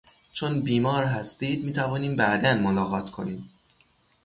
چون بیمار هستید میتوانیم بعدا ملاقات کنیم.